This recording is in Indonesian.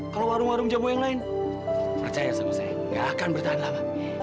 kalau warung warung jamu yang lain percaya sama saya gak akan bertahan lama